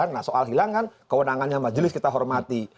nah soal hilang kan kewenangannya majelis kita hormati